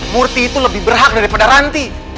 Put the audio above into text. murti itu lebih berhak daripada ranti